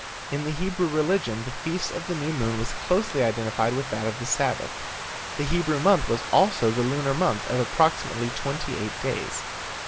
In the Hebrew religion the feast of the New Moon was closely identified with that of the Sabbath. The Hebrew month was also the lunar month of approximately twenty eight days.